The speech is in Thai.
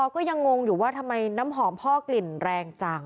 ก็ยังงงอยู่ว่าทำไมน้ำหอมพ่อกลิ่นแรงจัง